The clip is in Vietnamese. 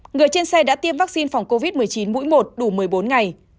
người trên xe đã tiêm vaccine phòng covid một mươi chín mũi một đủ một mươi bốn ngày